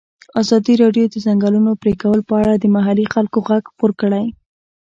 ازادي راډیو د د ځنګلونو پرېکول په اړه د محلي خلکو غږ خپور کړی.